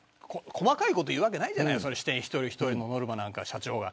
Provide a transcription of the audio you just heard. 細かいこと言うわけないじゃない支店一人一人のノルマに社長が。